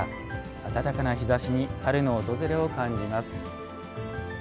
暖かな日ざしに春の訪れを感じます。